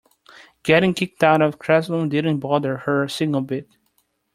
Getting kicked out of the classroom didn't bother her a single bit.